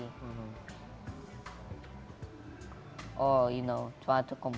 atau mencoba untuk membandingkan